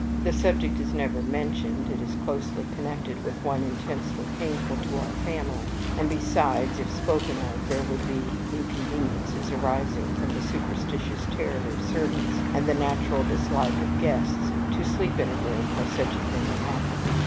The subject is never mentioned: it is closely connected with one intensely painful to our family, and besides, if spoken of, there would be inconveniences arising from the superstitious terrors of servants, and the natural dislike of guests to sleep in a room where such a thing had happened.